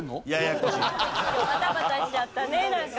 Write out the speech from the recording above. バタバタしちゃったねなんか。